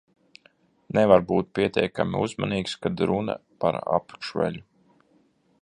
Nevar būt pietiekami uzmanīgs, kad runa par apakšveļu.